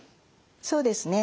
そうですね。